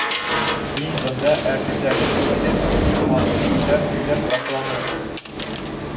Һин бында әртисләнеп китеп бик матур һүҙҙәр һөйләп ташланың.